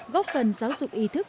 góp phần giáo dục y tế